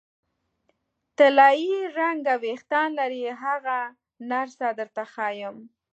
طلايي رنګه وریښتان لري، هغه نرسه درته ښیم.